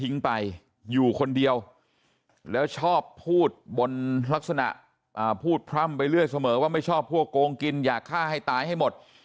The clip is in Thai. นักนิสนาพูดพร่ำไปเรื่อยเสมอว่าไม่ชอบพวกโกงกินอยากฆ่าให้ตายให้หมด